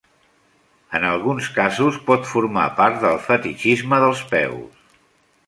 En alguns casos, pot formar part del fetitxisme dels peus.